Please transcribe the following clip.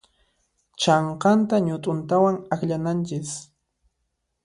Chhanqanta ñut'untawan akllananchis.